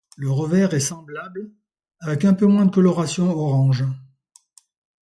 Le revers est semblable, avec un peu moins de coloration orange.